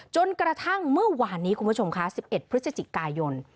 จนกระทั่งเมื่อวานนี้คุณผู้ชมค่ะ๑๑พฤศจิกายน